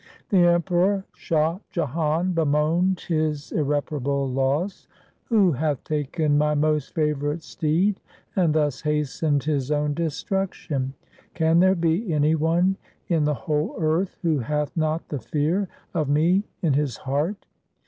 The Emperor Shah Jahan bemoaned his irreparable loss —' Who hath taken my most favourite steed and thus hastened his own destruction ? Can there be any one in the whole earth who hath not the fear of me in his heart?